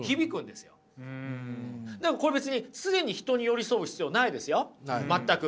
でもこれ別に常に人に寄り添う必要ないですよ全く。